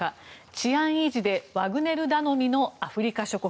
治安維持でワグネル頼みのアフリカ諸国。